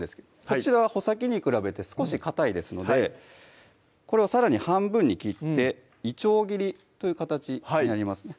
こちらは穂先に比べて少しかたいですのでこれをさらに半分に切っていちょう切りという形になります